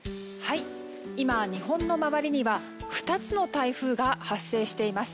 今、日本の周りには２つの台風が発生しています。